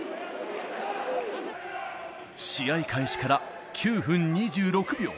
試合開始から９分２６秒。